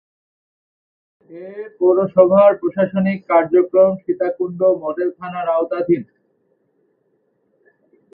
এ পৌরসভার প্রশাসনিক কার্যক্রম সীতাকুণ্ড মডেল থানার আওতাধীন।